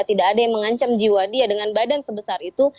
tidak ada yang mengancam jiwa dia dengan badan sebesar itu